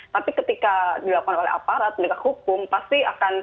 tapi ketika dilakukan oleh aparat penegak hukum pasti akan